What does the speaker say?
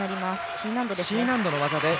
Ｃ難度ですね。